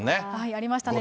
ありましたね。